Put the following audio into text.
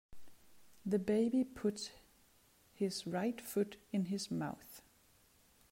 The baby puts his right foot in his mouth.